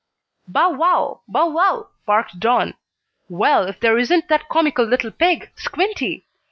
"Bow wow! Bow wow!" barked Don. "Well, if there isn't that comical little pig, Squinty!